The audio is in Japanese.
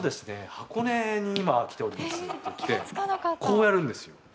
箱根に今来ております」って来てこうやるんですよ。